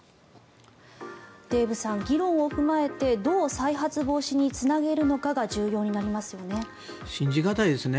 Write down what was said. デーブさん、議論を踏まえてどう再発防止につなげるのかが信じ難いですね。